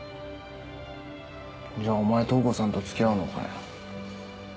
じゃお前塔子さんと付き合うのかよ？